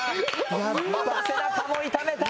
背中も痛めた！